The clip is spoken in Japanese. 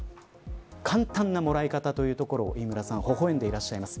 簡単なもらい方というところを飯村さんほほえんでいます。